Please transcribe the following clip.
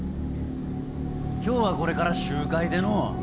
今日はこれから集会でのう。